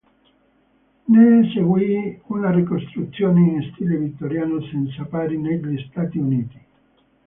Ne seguì una ricostruzione in stile vittoriano senza pari negli Stati Uniti.